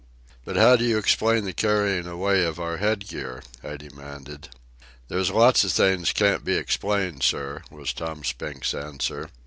"But how do you explain the carrying away of our head gear?" I demanded. "There's lots of things can't be explained, sir," was Tom Spink's answer.